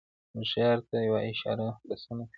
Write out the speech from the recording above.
هوښیار ته یوه اشاره بسنه کوي.